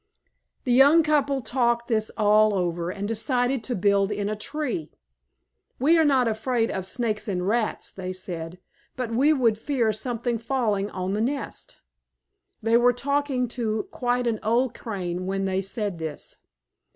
The young couple talked this all over and decided to build in a tree. "We are not afraid of Snakes and Rats," they said, "but we would fear something falling on the nest." They were talking to quite an old Crane when they said this.